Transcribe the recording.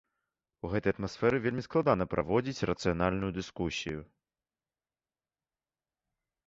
У гэтай атмасферы вельмі складана праводзіць рацыянальную дыскусію.